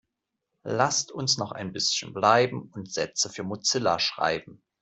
Lasst uns noch ein bisschen bleiben und Sätze für Mozilla schreiben.